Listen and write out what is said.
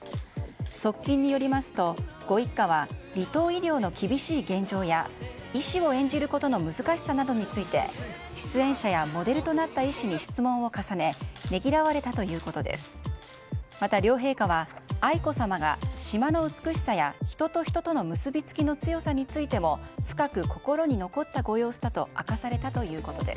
側近によりますと、ご一家は離島医療の厳しい現状や医師を演じることの難しさなどについて出演者やモデルとなった医師に質問を重ねねぎらわれたということです。